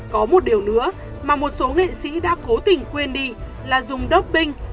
có một điều nữa mà một số nghệ sĩ đã cố tình quên đi là dùng doping